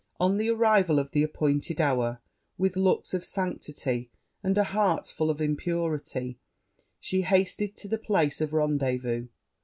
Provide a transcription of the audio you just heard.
On the arrival of the appointed hour, with looks of sanctity, and a heart full of impurity, she hasted to the place of rendezvous.